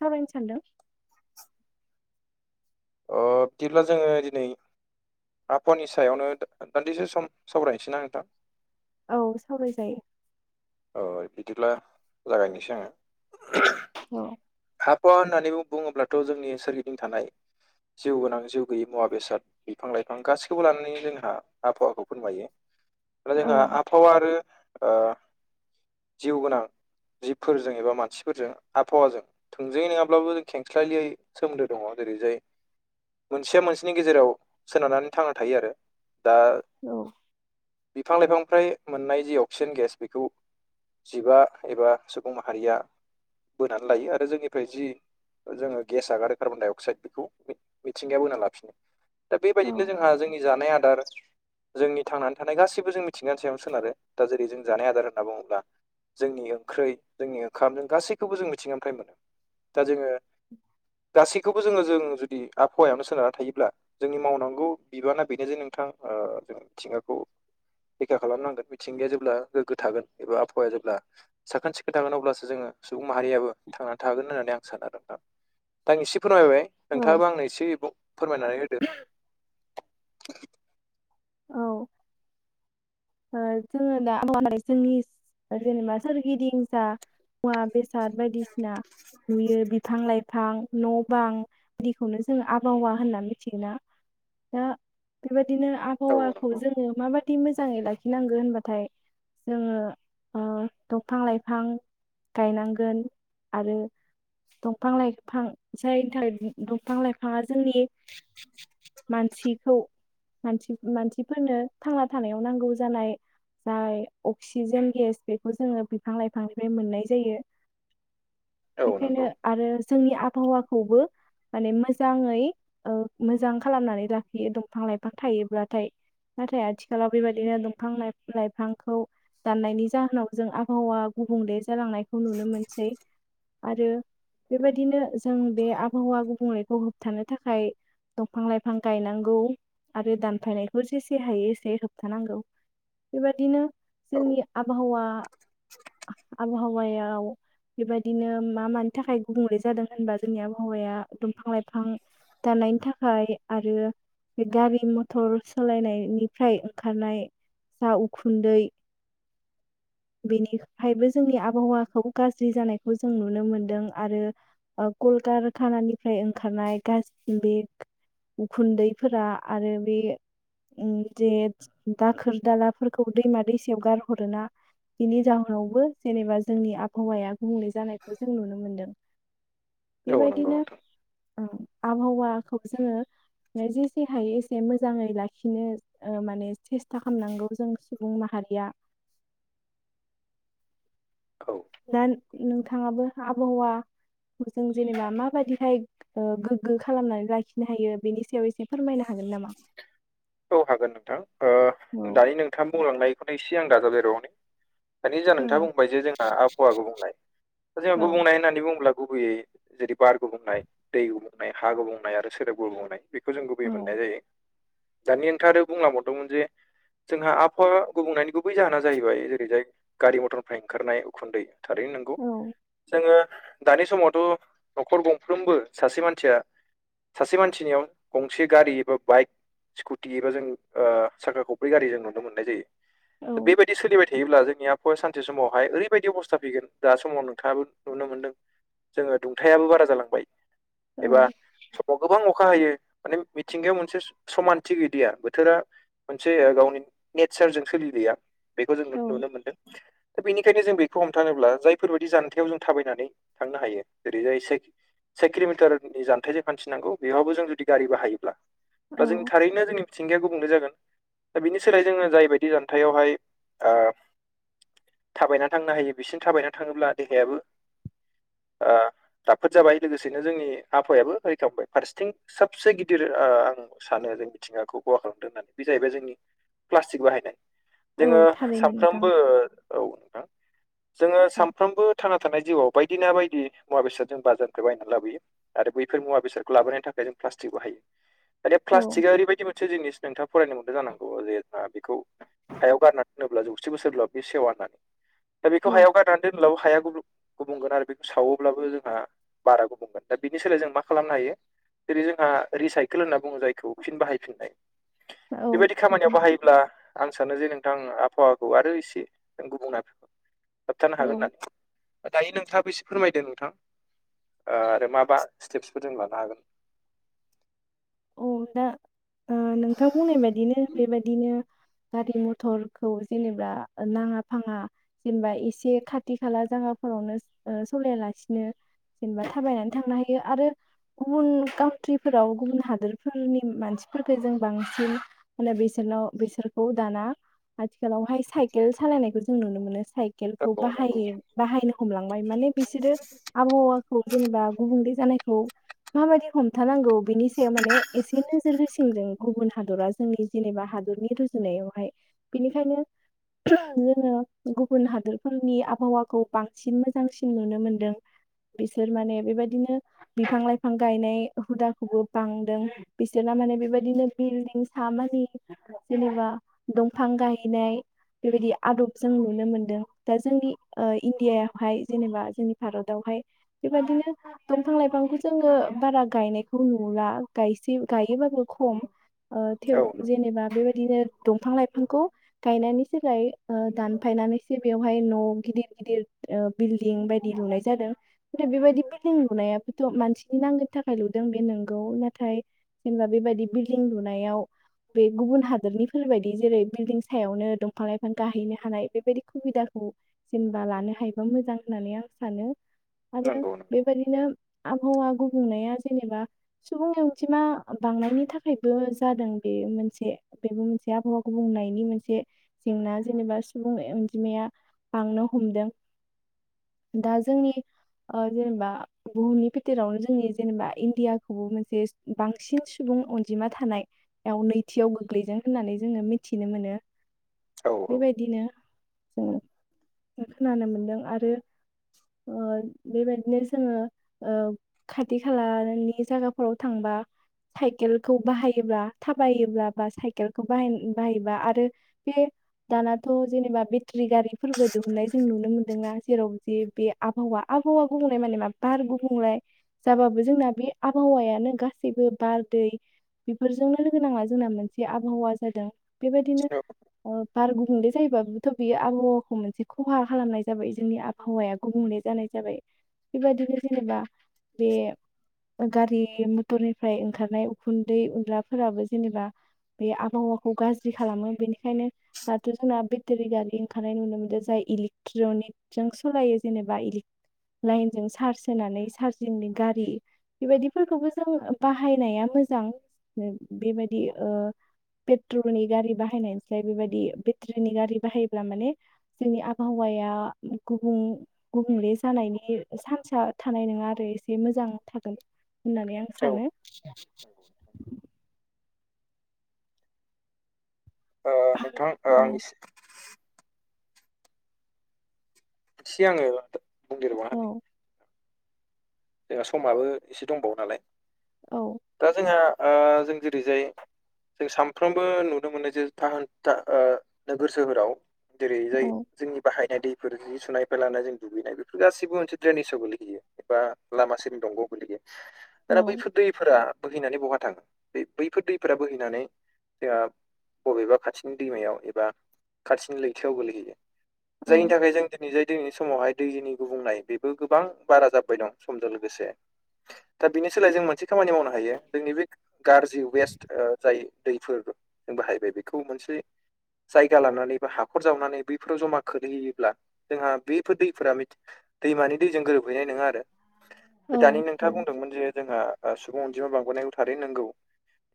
थाबायनो सानदों अ बिदिब्ला जोङो दिनै आबहावानि सायावनो दान्दिसे सम सावरायनोसै ना नोंथां औ सावराय जायो औ बिदिब्ला जागायनोसै आङो औ आफहावा होननानै बुङोब्लाथ' जोंनि सोरगिदिं थानाय जिउ गोनां जिउ गैयि मुवा बेसाद बिफां लाइफां गासैखौबो लानानै जोंहा आबहावाखौ फोरमायो दा औ जोंहा आबहावा आरो ओ जिउ गोनां जिबफोरजों एबा मानसिफोरजों आबहावाजों थोंजोायै नङाब्लाबो जों खेंस्लायलियै सोमोन्दो दङ जेरै जाय मोनसेया मोनसेनि गेजेराव सोनारनानै थांना थायो आरो दा औ बिफां लाइफांनिफ्राय मोननाय जि अक्सिजेन गेस बेखौ जिबा एबा सुबुं माहारिया बोनानै लायो आरो जोंनिफ्राय जि जोङो गेस आगार आरो कार्बन डाइ अक्साइद बेखौ मिथिंगायाव बोना लाफिनो दा औ बेबायदिनो जोंहा जोंनि जानाय आदार जोंनि थांनानै थानाय गाससिबो जों मिथिंगानि सायावनो सोनारो दा जेरै जों जानाय आदार होनना बुङोब्ला जोंनि ओंख्रैय जोंनि ओंखाम जों गासैखौबो जों मिथिंगानिफ्राय मोनो दा जोङो गासैखौबो जोङो जों जुदि आबहावायावनो सोनारना थायोब्ला जोंनि मावनांगौ बिबाना बेनो जे नोंथां ओ जों थिंगाखौ रैखा खालामनांगोन मिथिंगाया जेब्ला गोग्गो थागोन एबा आबहावाया जेब्ला साखोन सिखोन थागोन अब्लासो जोङो सुबुं माहारियाबो थांनानै थागोन होननानै आं सानो नोंथां दा आं एसे फोरमायबाय औ नोंथाङाबो आंनो एसे फोरमायनानै होदो औ ओ जोङो दा जोंनि जेनेबा सोरगिदिं जा मुवा बेस सार बायदिसिना नुयो बिफां लाइफां न' बां बिदिखौनो जोङो आबहावा होनना मिथिगोना दा बेबायदिनो औ आबहावाखौ नंगौ जोङो माबाददि मोजाङै लाखिनांगौ होनबाथाय जोङो ओ दंफां लाइफां गायनांगोन आरो दंफां लाइफां जायनि थाखाय दंफां लाइफाङा जोंनि मानसिखौ मानसिफोरनो थांना थानायाव नांगौ जानाय जाय अक्सिजेन गेस बेखौ जोङो बिफां लाइफांनिफ्राय मोननाय जायो औ नंगौ बेखायनो आरो जोंनि आबहावाखौबो माने मोजाङै मोजां खालामनानै लाखियो दंफां लाइफां थायोब्लाथाय नाथाय आथिखालाव बेबायदिनो बिफां लाइां लाइफांखौ दाननायनि जाहोनाव जों आबहावा गुबुंले जालांनायखौ नुनो मोनसै आरो बेबायदिनो जों बे आबहावा गुबुंनायखौ होबथानो थाखाय दंफां लाइफां गायनांगौ आरो दानफायनायखौ जेसे हायो एसे होबथानांगौ बेबायदिनो जोंनि आबहावा आबहावायाव बेबायदिनो मा मानि थाखाय गुबुंले जादों होनबा जोंनि आबहावाया दंफां लाइफां दानायनि थाखाय आरो बे गारि मथर सालायनायनिफ्राय ओंखारनाय जा उखुन्दै बेनिफ्रायायबो जोंनि आबहावाखौ गाज्रि जानायखौ जों नुनो मोनदों आरो कलकारखानानिफ्राय ओंखारनाय गाज्रि बे उखुन्दैफोरा आरो बे जे दाखोर दालाफोरखौ दैमा दैसायाव गारहरोना बिनि जाहोनावबो जेनेबा जोंनि आबहावाया गुबुंलै जानायखौ जों नुनो मोनदों औ नंगौ बेबायदिनो नोंथां आबहावाखौ जोङो जेसे हायो एसे मोजाङै लाखिनो माने सेस्था खालामामनांगौ जों सुबुं माहारिया औ दा नोंथाङाबो आबहावा जों जेनेबा माबायदिहाय गोग्गो खालामनानै लाखिनो हायो बेनि सायाव एसे फोरमायनो हागोन नामा औ हागोन नोंथां ओ औ दानि नोंथां बुंलांनायखौनो एसे आं दाजाबदेरबावनि दानि जा नोंथाङा औ बुंबाय जे जोंहा आबहावा गुबुंनाय जोंहा औ गुबुंनाय होननानै बुङोब्ला गुबैयै जेरै बार गुबुंनाय दै गुबुंनाय हा गुबुंनाय आरो सोदोब गुबुंनाय बेखौ जों गुबैयै औ मोननाय जायो दानि नोंथांआ आरो बुंलाबावदोंमोन जे जोंहा आबहावा गुबुंनायनि गुबै जाहोना जाहैबाय जेरैजाय गारि मटरनिफ्राय ओंखारनाय उखुन्दै थारैनो नंगौ औ जोङो दानि समावथ' न'खर गंफ्रोमबो सासे मानसिया सासे मानसिनियाव गंसे गारि एबा बाइक स्कुटि एबा जों ओ साखा खब्रै गारि जों नुनो मोननाय औ जायो। बेबायदि सोलिबाय थायोब्ला जोंनिया बो सानसे समावहाय ओरैबायदि अबस्था फैगोन दा समाव नोंथाङाबो नुनो मोन्दों। जोंङो दुंथायाबो बारा जालांबाय। औ एबा समाव गोबां अखा हायो माने मिथिंगायाव मोनसे समानथि गैदिया बोथोरा मोनसे गावनि नेचारजों सोलिलिया। बेखौ जोंङो औ नुनो मोनदों। दा बेनिखायनो जों बेखौ हमथानोब्ला जायफोरबायदि जानथायाव जों थाबायनानै थांनो हायो जेरै जाय से किल'मिटारनि जान्थायजों फानथिनांगौ बेवहाबबो जों जुदि गारि बाहायोब्ला अब्ला जों औ थारैनो जोंनि मिथिंगाया गुबुंनो जागोन दा बिनि सोलायै जोङो जायबायदि जानथायावहाय ओ थाबायना थांनो हायो बिसिनि थाबायना थाङोब्ला देहायाबो ओ राफोद जाबाय लोगोसेनो जोंनि आ आबहावायाबो रैखा मोनबाय फारसेथिं सबसे गिदिर ओ सानो जों मिथिंगाखौ खहा खालामदों होननानै बे जाहैबाय जोंनि प्लास्टिक बाहायनाय औ जोंङो थारैनो नोंथां सामफ्रोमबो औ नोंथां जोंङो औ सानफ्रोमबो थांना थानाय जिउआव बायदि ना बायदि मुवा बेसाद जों बाजारखौ बायनानै लाबोयो आरो बैफोर मुवा बेसादखौ लाबोनो थाखाय जों प्लास्टिक बाहायो। दानिया औ प्लास्टिकआ ओरैबायदि मोनसे जिनिस नोंथाङा फरायनो मोनदों जानांगौ‌। जे जोंहा बेखौ हायाव गारनानै होनोब्ला जौसे बोसोर बाहों से सेवा दा बेखौफ गाय औ दा दोनब्लाबो हाया गुबु गुबगोन आरो बेखौ सावोब्लाबो जोंहा। बारा गुबुंगोन दा बिनि सोलाय जों मा खालामनो हायो। जेरै- जोंहा रिसाइकेल होन बुंङो जायखौ फिन बाहायफिननाय औ बेबायदि खामानियाव थारैनो बाहायोब्ला आं सानो जे नोंथां आबहावाखौ आरो इसे गुबुंना होबथानो औ हागोन होननानै दायो नोंथाङाबो एसे फोरमायदों नोंथां ओ आरो माबा स्टेप्सफोर जों लानो हागोन। औ दा ओ नोंथां बुंनाय बायदिनो बेबादिनो गारि मथरखौ जेनेबा नाङा फाङा जेनेबा एसे खाथि खाला जायगाफोरावनो सलायालासिनो जेनेबा थाबायनानै थांनो हायो आरो गुबुन काउट्रिफोराव गुबुन हाद हादोरफोरनि मानसिफोरफोरखौ जों बांसिन माने बिसोरनाव बिसोरखौ दाना आथिखालावहाय साइकेल सालायनायखौ जों नुनो मोनो साइकेलखौ औ नंगौ बाहायो बाहायनो हमलांबाय माने बिसोरो आबहावाखौ जेनेबा गुबुंले जानायखौ माबायदि हमथानांगौ बेनि सायाव माने एसे नोजोर होसिनदों गुबुन हादरा जोंनि जेनेबा हादरनि रुजुनायावहाय। बिनिखायनो जोंङो गुबुन हादोरफोरनि आबहावाखौ बांसिन मोजांसिन नुनो मोनदों। बिसोर माने बेबायदिनो बिफां लाइफां गायनाय हुदाखौबो बांदों बिसोरा माने बेबायदिनो बिल्डिं सा मानि जेनेबा दंफां गायनाय बेबायदि आदब जों नुनो मोनदों। दा जोंनि ओ इण्डियायावहाय जेनेबा जोंनि भारतआवहाय बेबदिनो दंफां लाइफांखौ जोंङो बारा गायनायखौ नु बुङोब्ला गायसे गायोबाबो खम ओ थेव औ जेनेबा बेबाय बिदिनो दंफां लाइफांखौ गायनायनि सोलाय ओ दानफायनानैसो बेवहाय न' गिदिर गिदिर ओ बिल्डिं बायदि लुनाय जादों। दा बेबायदि बिल्डिं लुनायाबोथ' मानसिनि नांगौननि थाखाय लुदों बे नों गौ नाथाय जेनेबा बेबायदि बिल्डं लुनायाव बे गुबुन हादरनिफोरबायदि जेरै बिल्डिं सायावनो दंफां लाइफां गाहैनो हानाय बेबायदि सुबिदाखौ जेनेबा लानो हायोबा मोजां होननानै आं सानो आरो नंगौ नंगौ बेबायदिनो आबहावा गुबुंनाया जेनेबा सुबुंनि अनजिमा बांनायनि थाखायबो जादों। बे मोनसे बेबो मोनसे आबहावाखौ बुंनायनि मोनसे जेंना जेनेबा सुबुं अनजिमाया बांनो हमदों। दा जोंनि ओ जेनेबा बुहुमनि फेथेरावनो जोंनि जेनेबा इण्डिया खौबो मोनसे बांसिन सुबुं अनजिमा थानाय याव नैथियाव गोग्लैदों होननानै जोङो मिथिनो मोनो। औ बेबायदिनो जोङो ओ खोनानो मोनदों। आरो ओ बेबायदिनो जोङो ओ खाथि खालानि जायगाफोराव थांबा साइकेलखौ बाहायोब्ला थाबायोब्ला बा साइकेलखौ बाहा बाहायोबा आरो बे दानाथ' जेनेबा बि ट्रि गारिफोरबो दिहुननाय जों नुनो मोन्दोंना जेराव जे बे आबहावा आबहावा गुबुंलाय माने मा बार गुबुंले जाबाबो जोंना बे आबहावायानो गासैबो बार दै बेफोरजोंनो लोगो नांना जोंना मोनसे आबहावा जादों। बेबायदिनो ओ बार गुबुंले जायोबाबोथ' बेयो आबहावाखौ मोनसे खहा खालामनाय जाबाय जोंनि आ आबहावाया गुबुंले जानाय जाबाय बेबादिनो जेनेबा बे ओ गारि मथरनिफ्राय ओंखारनाय उखुन्दै उनलाफोराबो जेनेबा बे आबहावाखौ गाज्रि खालामो। बेनिखायनो दाथ' जोंना बेटेरि गारि ओंखारनाय नुनो मोन्दों जाय इलेकट्रनिक जों सालायो जेनेबा इलिक लाइनजों चार्ज होनानै चारजिंनि गारि बेबायदिफोरखौबो जों बाहायनाया मोजां। बेबायदि ओ पेट्रलनि गारि बाहायनायसाय बेबायदि बेटरिनि गारि बाहायोब्ला माने जोंनि आबहावाया गुबुं गुबुंले जानायनि सान्स थानाय नङा आरो। एसे मोजां थागोन होननानै आं औ औ सानो। ओ नोंथां ओ औ आंनि सि आङो बुंदिरबावना होनि। औ जोंहा समाबो एसे दंबावो नालाय। औ दा जोंहा ओ जों जेरैजाय जों सानफ्रोमबो नुनो मोनो जे था होन्था ओ नोगोर सोहोराव जेरै जाय औ जोंनि बाहायनाय दैफोर जि सुनायफ लानाय जों दुगैनाय बेफोर गाससिबो मोनसे द्रेनिसआव गोलैहैयो एबा लामा सेर दंगौ गैलैयो। औ दाना बैफोर दैफोरा बोहैनानै बहा थाङो? बे बैफोर दैफोरा बोहैनानै जोंहा बबेबा खाथिनि दैमायाव एबा खाथिनि लैथोआव गोलैहैयो। औ जायनि थाखाय जों दिनै जाय दिनैनि समावहाय दैनि गुबुंनाय बेबो गोबां बारा जाबाय दं। समजों लोगोसे दा बिनि सोलाय जों मोनसे खामानि मावनो हायो जोंनि बे गाज्रि वेस ओ जाय दैफोर जों बाहायबाय बेखौ मोनसे जायगा लानानै बा हाखर जावनानै बैफोराव ज'मा खोैहैयोब्ला जोंहा बेफोर दैफोरा मि दैमानि दैजों गोरोबहैनाय नोङा आरो। बे दानि औ नोंथाङा थारैनो बुंदोंमोन जे जोंहा ओ सुबुं अनजिमा बांबोनायखौ थारैनो नंगौ।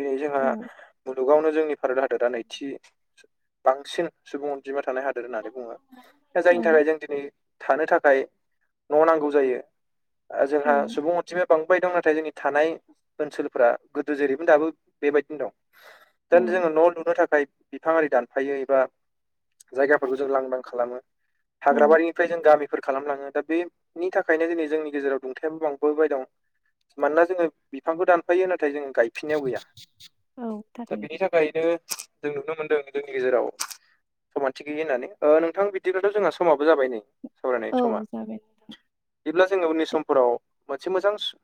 दिनै जोंहा औ ओ जुगावनो जोंनि भारत हादरा नैथि बांसिन सुबुं अनजिमा थानाय हाद फोर होननानै बुङो। दा औ जायनि थाखाय जों दिनै थानो थाखाय न' नांगौ जायो। ओ जोंहा औ सुबुं अनजिमा बांय दं। नाथाय जोंनि थानाय ओनसोलफ्रा गोदो जेरैबो दाबो बेबायदिनो दं। दा औ जोंहा न' लुनो थाखाय बिफां आरि दानफायो एबा जायगाफोरखौ जों लांदां खालामो। औ हाग्राबारिनिफ्राय जों गामिफोर खालामलाङो। दा बे नि थाखायनो दिनै जोंनि गेजेराव दुंथायाबो बांबोबाय दं। मानोना जोङो बिफांखौ दानफायो नाथाय जों गाय फिननायाव गैया औ दा थारैनो बेनि थाखायनो जों नुनो मोनदों जोंनि गेजेराव समानथि गैयि होननानै नोंथां बिदिब्लाथ' जोंहा समाबो जाबाय नै। सावरायनाय औ समा जागोन बिदिब्ला जोङो उननि दे सम फोराव मोनसे मोजां सु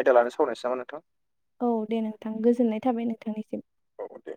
आयदा लानो सावरायनोसै नामा नोंथां। औ दे नोंथां गोजोननाय थाबाय नोंथांनिसिम। औ दे।